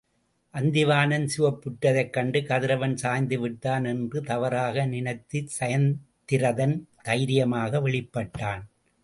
அந்திவானம் சிவப்புற்றதைக் கண்டு கதிரவன் சாய்ந்து விட்டான் என்று தவறாக நினைத்துச் சயத்திரதன் தைரியமாக வெளிப்பட்டான்.